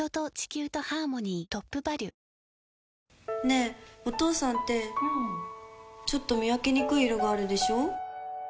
ねぇ、お父さんってうんちょっと見分けにくい色があるでしょ。